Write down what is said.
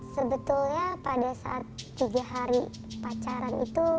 sebetulnya pada saat tiga hari pacaran itu